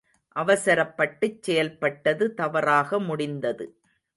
அவசரப்பட்டுச் செயல்பட்டது தவறாக முடிந்தது.